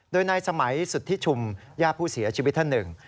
โดยในสมัยสุดที่ชุมยาผู้เสียชีวิตท่านหนึ่ง